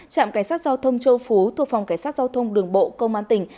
trạm cảnh sát giao thông châu phú thuộc phòng cảnh sát giao thông đường bộ công an tỉnh